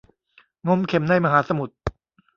งมเข็มในมหาสมุทร